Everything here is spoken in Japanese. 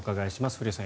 古屋さん